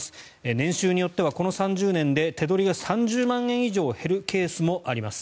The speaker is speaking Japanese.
年収によってはこの３０年で手取りが３０万円以上減るケースもあります。